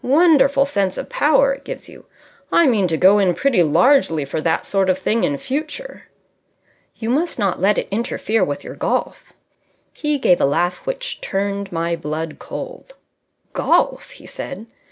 Wonderful sense of power it gives you. I mean to go in pretty largely for that sort of thing in future." "You must not let it interfere with your golf." He gave a laugh which turned my blood cold. "Golf!" he said.